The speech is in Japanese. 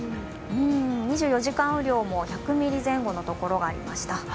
２４時間雨量も１００ミリ前後の所がありました。